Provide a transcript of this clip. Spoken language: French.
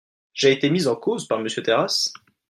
J’ai été mis en cause par Monsieur Terrasse.